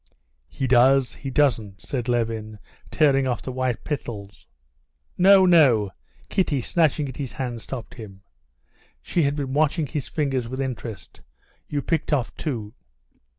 "He does, he doesn't," said Levin, tearing off the white petals. "No, no!" Kitty, snatching at his hand, stopped him. She had been watching his fingers with interest. "You picked off two."